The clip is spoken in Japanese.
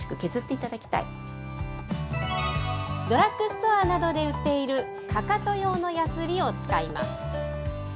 ドラッグストアなどで売っている、かかと用のやすりを使います。